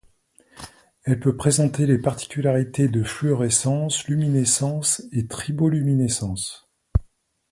Elle peut présenter les particularités de fluorescence, luminescence et triboluminescence.